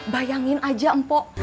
bayangin aja mpok